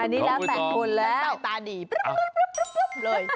อันนี้แล้วแต่คุณแล้วแล้วตายตาดีปรุ๊บเลย